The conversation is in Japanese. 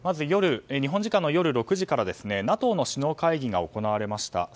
日本時間の夜６時からＮＡＴＯの首脳会議が行われました。